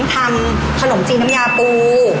ทำขนมจีนน้ำยาปู